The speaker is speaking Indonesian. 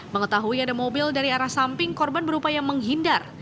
mengetahui ada mobil dari arah samping korban berupaya menghindar